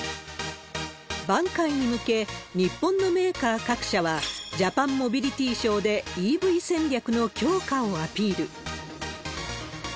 挽回に向け、日本のメーカー各社はジャパンモビリティショーでＥＶ戦略の強化をアピール。